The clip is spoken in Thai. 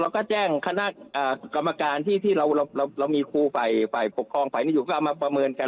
แจ้งคณะกรรมการที่เรามีครูฝ่ายปกครองฝ่ายนี้อยู่ก็เอามาประเมินกัน